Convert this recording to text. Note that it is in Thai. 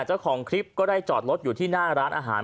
เจ้าของคลิปก็ได้จอดรถอยู่ที่หน้าร้านอาหาร